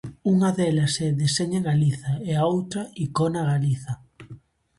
Unha delas é "Deseña Galiza" e a outra, "Icona Galiza".